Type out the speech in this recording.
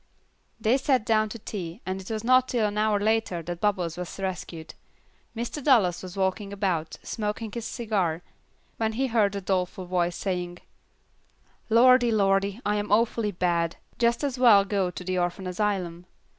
They sat down to tea, and it was not till an hour later that Bubbles was rescued. Mr. Dallas was walking about, smoking his cigar, when he heard a doleful voice saying, "Lordy, Lordy, I'm awful bad, just as well go to the orphan asylum.